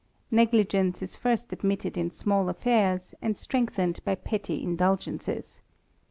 . Negligence is first admitted in small affairs, and strength ened by petty indulgences.